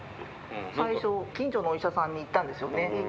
最初近所のお医者さんに行ったんですよね。